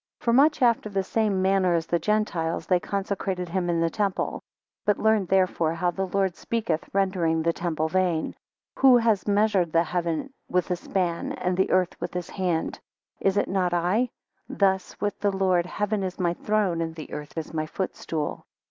12 For much after the same manner as the Gentiles, they consecrated him in the temple. 13 But learn therefore how the Lord speaketh, rendering the temple vain: Who has measured the heaven with a span, and the earth with his hand? Is it not I? Thus with the Lord, Heaven is my throne, and the earth is my footstool.